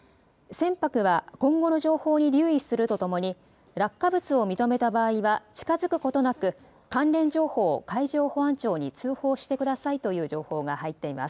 船舶は今後の情報に留意するとともに落下物を認めた場合は近づくことなく関連情報を海上保安庁に通報してくださいという情報が入っています。